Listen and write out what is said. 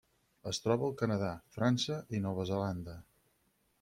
Es troba al Canadà, França i Nova Zelanda.